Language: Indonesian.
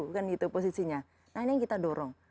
nah ini yang kita dorong